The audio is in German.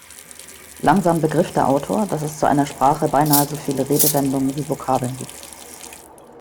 Langsam begriff der Autor, dass es zu einer Sprache beinahe so viele Redewendungen wie Vokabeln gibt.